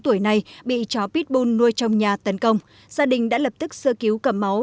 tuổi này bị chó pitbull nuôi trong nhà tấn công gia đình đã lập tức sơ cứu cầm máu